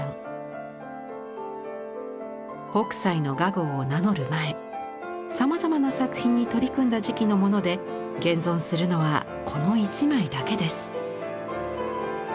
北斎の画号を名乗る前さまざまな作品に取り組んだ時期のもので現存するのはこの１枚だけです。